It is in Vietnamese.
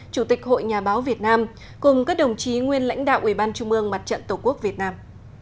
chủ tịch hội nhà báo việt nam cùng các đồng chí nguyên lãnh đạo ủy ban trung mương mặt trận tổ quốc việt nam